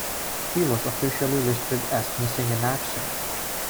He was officially listed as missing in action.